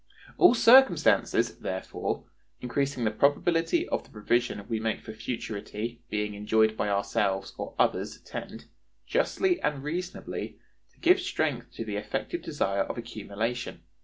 "All circumstances," therefore, "increasing the probability of the provision we make for futurity being enjoyed by ourselves or others, tend" justly and reasonably "to give strength to the effective desire of accumulation.